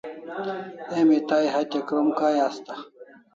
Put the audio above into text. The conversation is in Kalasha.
Emi tai hatya krom kai asta